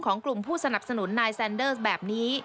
กลุ่มผู้สนับสนุนนายแซนเดอร์แบบนี้